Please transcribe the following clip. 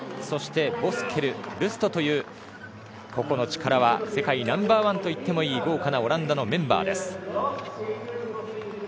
そしてボスケル、ルストという個々の力は世界ナンバーワンといってもいい豪華なオランダのメンバーです。